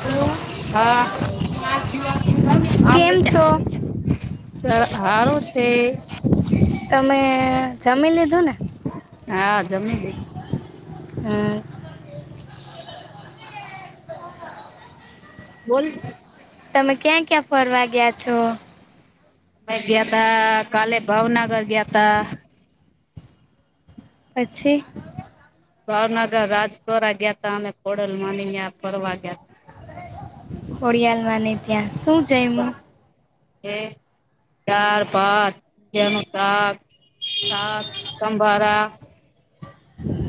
હ [unintelligible] હા કેમ છો [unintelligible] સર હારું છે. તમે જમી લીધું ને હા જમી લીધુ. હમ બોલ. તમે ક્યાં ક્યાં ફરવા ગયા છો. ગયા તા કાલે ભાવનગર ગયા તા પછી. ભાવનગર રાજપોરા ગયા ત અમે ખોડલ માની ગયા ફરવા ગયા. હોડિયાલમાં નહ ત્યાં શું જઈમું. હે. ચાર પાંચ ગું સાત સાત સમભારા.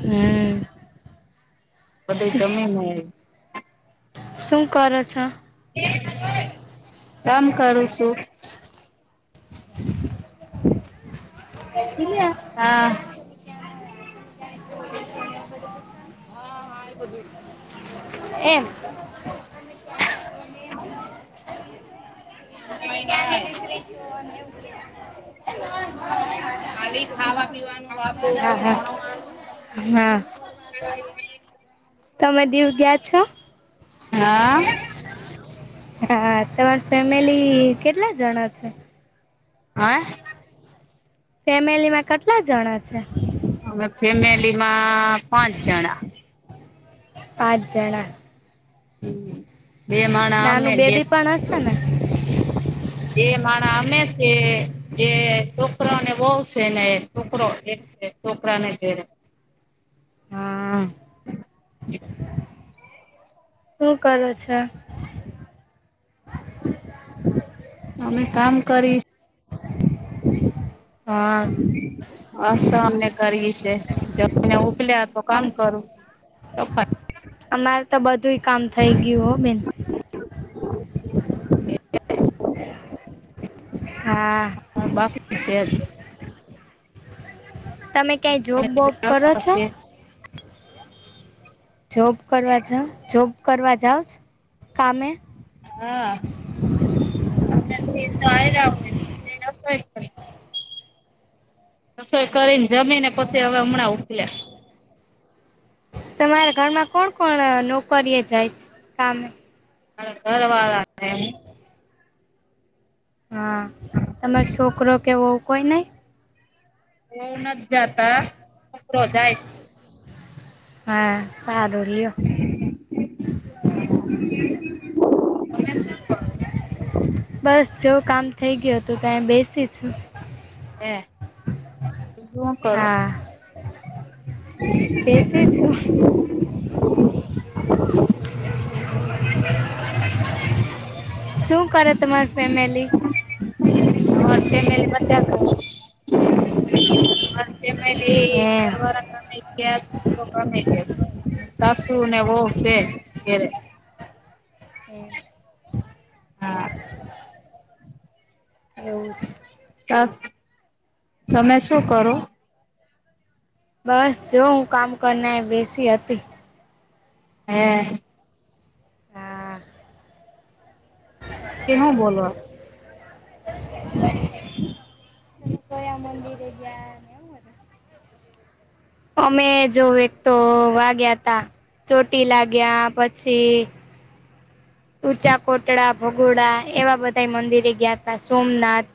હમ. બધું જમે ને શું કરો છો. કમ કરું છું. [inaudible] એયા હા. એમ. [unintelligible] હા હા હા. તમે દીવ ગયા છો. હા. હા તમાર ફેમિલી કેટલા જણા છે. હા અ. ફેમિલી માં કેટલા જણા છે. અમે ફેમિલી માં પાંચ જણા. પાંચ જણા. બે માણા અમે નાનું લે બેબી પણ હશે ને. એ માણા અમે છે એ છોકરોને વોવશે ને છોકરો છોકરાને ધરે હા શું કરો છો. અમે કામ કરીશ. હા હમ [inaudible] અસ અમને કરી છે જને ઉપલ્યા તો કામ અમ કરું છ સફાઈ. અમારે તો બધું કામ થઈ ગયું હો બેન. હા. હા બાકી છે. તમે ક્યાંય જોબબોબ કરો છો. જોબ કરવા જાવ જોબ કરવા જાવ કામે. હા તો આ રા હોુંય [inaudible] તો રસોઈ કરીને જમી ને પછી હવે હમણાં ઉકલ્યા. તમારા ઘરમાં કોણ કોણ નોકરી એ જાય છે કામે? હ ઘરવાળા [inaudible] હા તમાર છોકરો કેવું કોઈ નહી. એવું નથી જાતા છોકરો જાય. હા. સારું લ્યો. તમે શું કરો બસ જો કામ. થઈ ગયો તો કાય બેસી છું. હે સુ કરો સો. હા તો [inaudible] શું કરે તમારી ફેમિલી ફેમ બચા કર [inaudible] ફેમિલી એમ ધરવાળા [inaudible] ગ કમે ગ સાસુ ને વહ છે. હમ હા એવું છે. સા તમે શું કરો. બસ જો હું કામ કરને એ બેસી હતી. હે. હા. કે હો બોલો. તમે કયા મંદિરે ગયા ને એવ ને. [unintelligible] [unintelligible] અમે જો એક તો વાગ્યા તા ચોટીલા ગયા પછી. ઉંચા કોટડા ભગોડા એવા બધા મંદિરે ગયા હતા સોમનાથ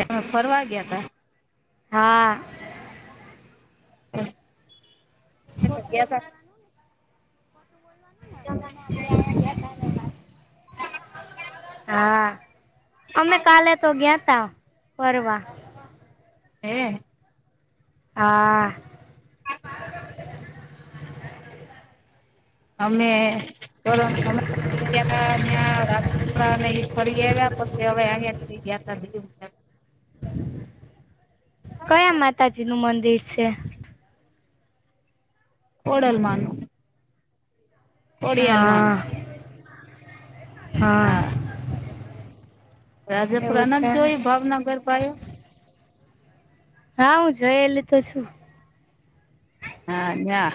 એ ફરવા ગયા તા. હા. [inaudible] [inaudible] [unintelligible] ગયા તા [unintelligible] [inaudible] [inaudible] હા અમે કાલે તો ગયા ત ફરવા. હે. હા. અમે. [unintelligible] ફરી આયા પછી હવે ગ કર [inaudible] કયા માતાજી નું મંદિર છે. ઓડલમાં નું. ખોડિયલ હા માનું. હા એવું છે [unintelligible] ને જોયું ભાવનગર [unintelligible] હા હું જયેલી તો છું. હા ના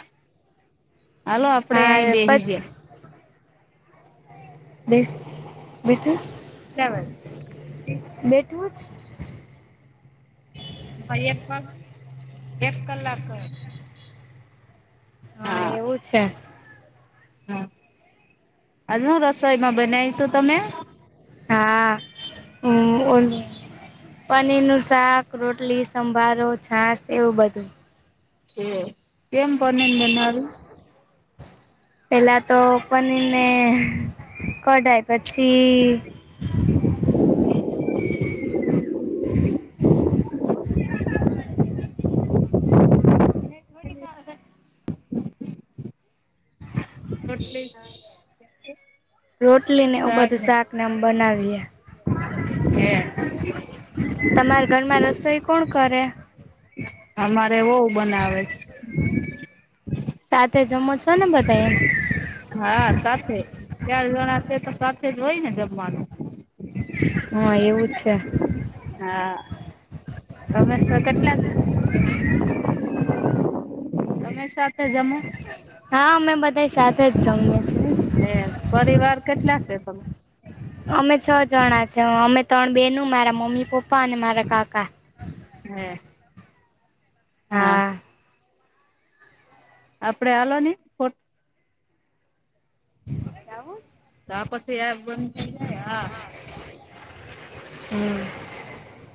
હાલો આપડે અહી હા બેસી પછ ગયા બેસી બીઠસ [unintelligible] બેઠુંસ [unintelligible] એક એક કલાક હા એવું છે. હમ આજ હું રસોઈમાં બનાય તુ તમે? હા હ ઓલુ પનીરનું શાક, રોટલી, સંભારો, છાસ, એવું બધું છે એમ પનીર બનાવે પેલા તો પનીર ને કઢાય પછી [inaudible] [inaudible] [inaudible] રોટલી ના રોટલી ને એ બધું શાક ને આમ બનાવીએ હે તમારા ઘરમાં રસોઈ કોણ કરે? અમારે વહુ બનાવે છે. સાથે જમો છો? ને બધા એમ હા સાથે. ચાર જણા છે, તો સાથે જ હોય ને જમવાનું. હા એવું છે. હા તમેશ કેટલા તમે સાથે જમો? હા અમે બધા સાથે જ જમએ છીએ. હે પરિવાર કેટલા સે તમે અમે છ જણા છે અમે ત્રણ બેનુ મારા મમ્મી પપ્પા અને મારા કાકા હમ હા આપડે હલો ને ફોટ જાવું તો આ પછી [unintelligible] હમ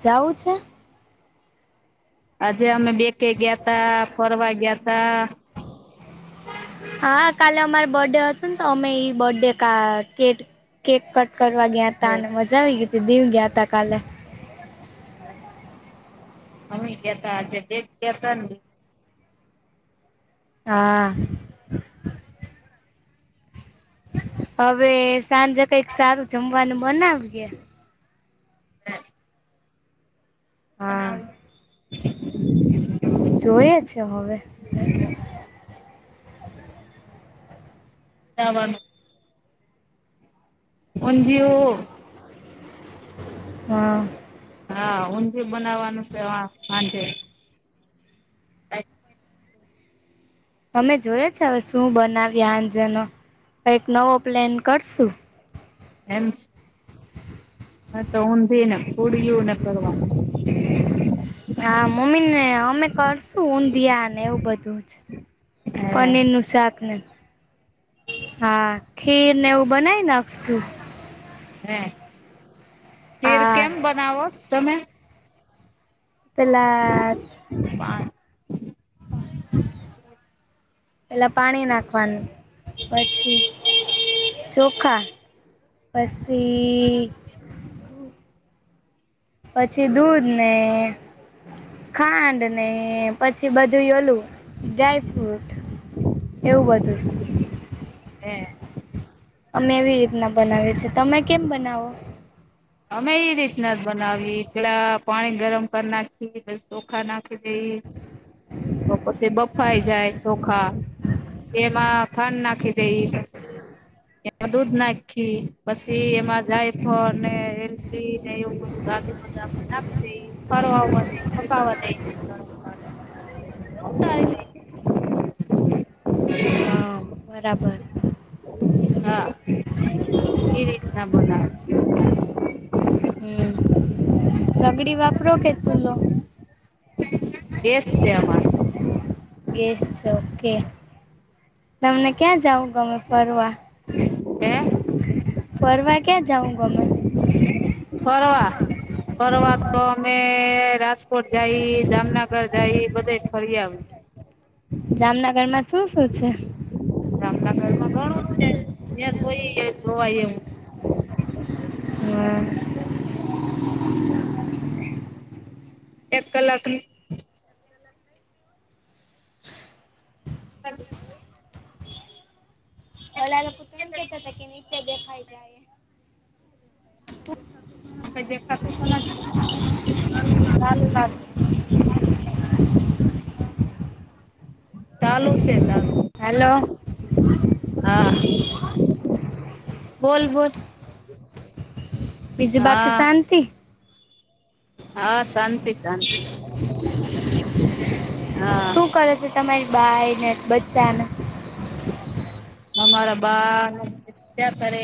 જવું છે? આજે અમે બેકે ગયા તા ફરવા ગયા તા હા કાલે અમાર બર્થડે હતું ને તો અમે ઈ બર્થડે કા કેટ કેક કટ કરવા ગયા હતા હે અને મા જા આવીગી હતી દિવ ગયા તા કાલે હ અમે ગતા આજે ગતા ને હા હવે સાંજે કઈક સારું જમવાનું બનાવીએ હમ. બ આવી. જોઈ છે હવે. નાવાનું અજઓ હમ હા ઊંધિયું બનાવવાનું છે હાજે [unintelligible] અમે જોયે છે હવે શું બનાવી હાજનો કઈ નવો પ્લેન કરશું એમ હ તો ઊંધી ને ખડીલુંને કરવાનું. હા મમ્મી ને અમે કરશું ઊંધિયા ને એવું બધું જ. છે હે પનેરનુંુ સાાકને. હા ખીર ને એવું બનાવી નાખશું. હે ખીર હા કેમ બનાવો તમે. પેલા. હ. પેલા પાણી નાખવાનું પછી. જી. ચોખા પસી. પછી દૂધ નને ખાંડ નને પછી બધું લું. ડ્રાયફ્રૂટ એવું બધું. હમ. અમે એવી રીતના બનાવીએ છેી તમે કેમ બનાવો. અમે એ રીતના જ બનાવી પેલા પાણી ગરમ કરી નાખી ચોખા નાખી. તો પછી બફાઈ જાય ચોખા તેમાં. ફન નાખી દેઈ દૂધ નાખી. પછી એમાં જાય પણ ને. ને એવું બધું ગા બધ આપને નાખી દઈ ફારો આવવા દ પકવા દઈ. હ. હા બરાબર. હા એ રીતના બોના. હમ સગડી વાપરો કે ચૂલો. એસ છે અમાર. ગ ઓકે તમને ક્યાં જાવ. ગમે ફરવા હે ફરવા ક્યાં જાઉં ગમે. પવા. ફર તો અમે રાજકોટ જઈ જામનગર જઈ બધે ફરી આવ. જામનગરમાં શું શું છે. ગામડા ઘરમાં ઘણું છે જ્યા જોઈ એ જોવાયવું. હ. એક કલાકની. હ. અલગ કતા. [inaudible] દેખાઈ જાય. ખા લાગ લ લ. [inaudible] [inaudible] ચાલું છે ચાલુ. હેલો. હા બોલ બોલ. બીજું હા પાકિસ્તાનથી હા શાંતિ શાંતિ [inaudible] હા. તમારી બાઈને જ બચ્ચાને. અમારા બા્યા કરે.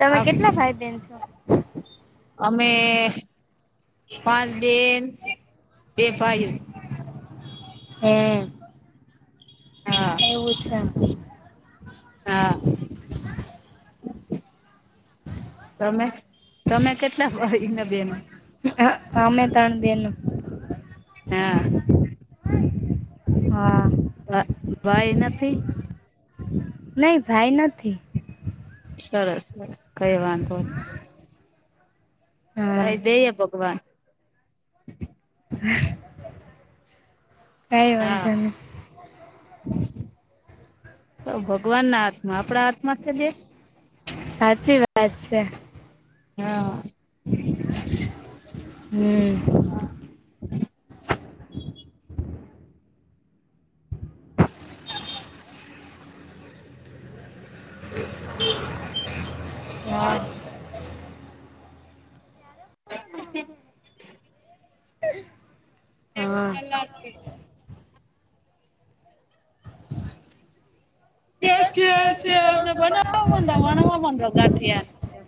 તમે કેટલા ભાઈ બેેન છો? અમે પાંચ બેન બે ભાઈું. હે હા એવું છે. હા. તમે? તમે કેટલા ભાઈને બેન. હ, અમે ત્રણે બહેનો. હા. હા. ભાઈ નથી? નહી, ભાઈ નથી. સરસ સરસ, કહી વાંધોની. હા ભાઈ દે હ ભગવાન. હ. હા. તો ભગવાનના હાથમાં, આપણા હાથમાં છે કે. સાચી વાત છે. હા. હમ. હા. હ. એક કલાકે. તે જ દિવસે આવને, બનાવા માંડો, વણવા માંડો ગાઠિયા.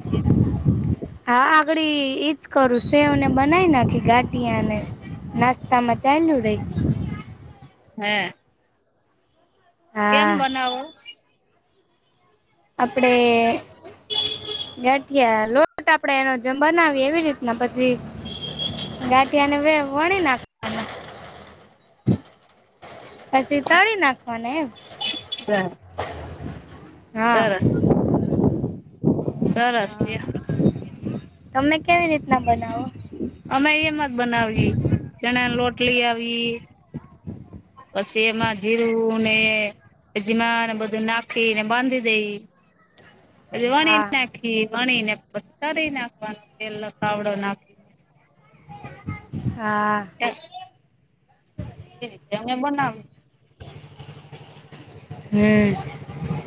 હા, આગળ ઈજ કરું. સેવને બનાવી નાખી ગાઠિયાને નાસ્તામાં ચાલ્યું રહે. હે. કેમ હા બનાવો? આપણે ગાઠિયા લોટ આપણે એનો જેમ બનાવીએ, એવી રીતના પછી ગાઠિયાને મે વણી નાખ [inaudible] પછી તળી નાખવાને એમ સરસ, હા સરસ. સરસ હા કે. તમે કેવી રીતના બનાવો? અમે એમ જ બનાવીએ, ચણાનો લોટ લઈ આવીએ. પછી એમાં જીરું ને એજમા બધું નાખીને બાંધી દઈએ. [unintelligible] પછી વણી હા નાખી, વણી ને પછી તરી નાખવાનો. તેલ કાવડો નાખી. હા. રીતે અમે બનાવીએ. હમ. [unintelligible]